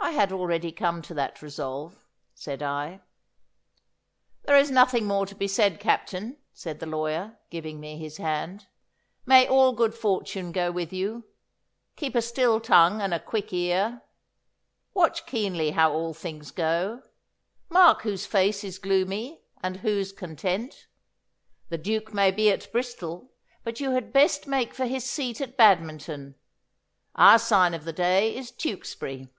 'I had already come to that resolve,' said I. 'There is nothing more to be said, Captain,' said the lawyer, giving me his hand. 'May all good fortune go with you. Keep a still tongue and a quick ear. Watch keenly how all things go. Mark whose face is gloomy and whose content. The Duke may be at Bristol, but you had best make for his seat at Badminton. Our sign of the day is Tewkesbury.